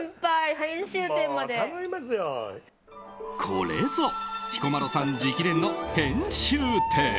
これぞ彦摩呂さん直伝の編集点。